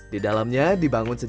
di dalamnya dibangun sejarah